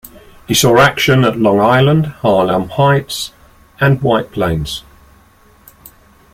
He saw action at Long Island, Harlem Heights, and White Plains.